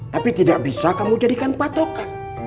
tapi tidak bisa kamu jadikan patokan